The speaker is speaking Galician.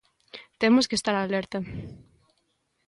Temos que estar alerta.